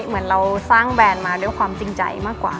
เหมือนเราสร้างแบรนด์มาด้วยความจริงใจมากกว่า